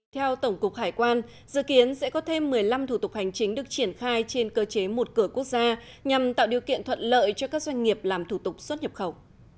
theo tổng cục hải quan dự kiến sẽ có thêm một mươi năm thủ tục hành chính được triển khai trên cơ chế một cửa quốc gia nhằm tạo điều kiện thuận lợi cho các doanh nghiệp làm thủ tục xuất nhập khẩu